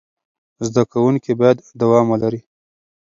زده کوونکي باید دوام ولري.